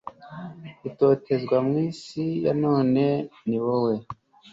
itotezwa mu isi ya none ni wowe